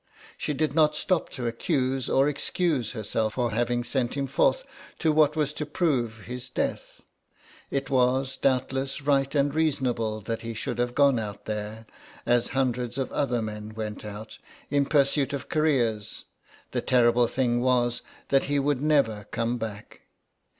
She did not stop to accuse or excuse herself for having sent him forth to what was to prove his death. It was, doubtless, right and reasonable that he should have gone out there, as hundreds of other men went out, in pursuit of careers; the terrible thing was that he would never come back.